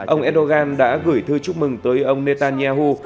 ông erdogan đã gửi thư chúc mừng tới ông netanyahu